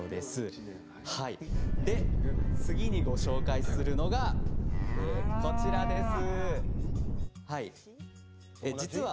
次にご紹介するのがこちらです。